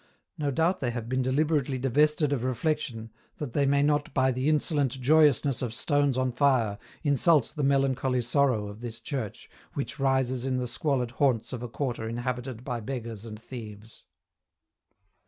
No doubt they have been deliberately divested of reflection that they may not by the insolent joyousness of stones on fire insult the melancholy sorrow of this church which rises in the squalid haunts of a quarter inhabited by beggars and thieves.